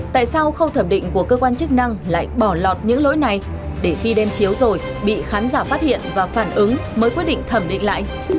tại sao khâu thẩm định của cơ quan chức năng lại bỏ lọt những lỗi này để khi đem chiếu rồi bị khán giả phát hiện và phản ứng mới quyết định thẩm định lại